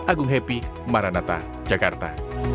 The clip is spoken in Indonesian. agung happy maranata jakarta